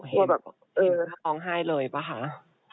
ว่าแบบเออเห็นเขาท้องไห้เลยป่ะค่ะ